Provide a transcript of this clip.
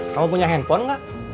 kamu punya handphone gak